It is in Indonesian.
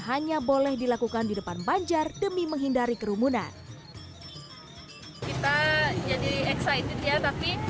hanya boleh dilakukan di depan banjar demi menghindari kerumunan kita jadi excited ya tapi